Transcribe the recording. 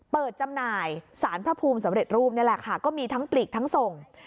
จำหน่ายสารพระภูมิสำเร็จรูปนี่แหละค่ะก็มีทั้งปลีกทั้งส่ง